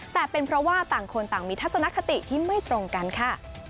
แต่เป็นเพราะว่าต่างคนต่างมีทัศนคติที่ไม่ตรงกันค่ะ